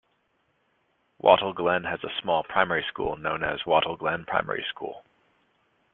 Wattle Glen has a small primary school known as Wattle Glen Primary School.